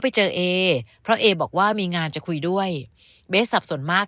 ไปเจอเอเพราะเอบอกว่ามีงานจะคุยด้วยเบสสับสนมาก